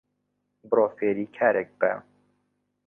بڕۆ فێری کارێک بە